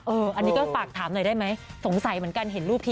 อันนี้ก็ฝากถามหน่อยได้ไหมสงสัยเหมือนกันเห็นรูปที